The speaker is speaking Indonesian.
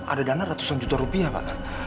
ada dana ratusan juta rupiah pak